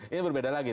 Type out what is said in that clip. ini berbeda lagi